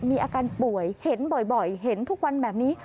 มีอาการป่วยเห็นบ่อยเห็นทุกวันแบบนี้